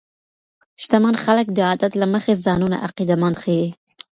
شتمن خلګ د عادت له مخې ځانونه عقیده مند ښیي.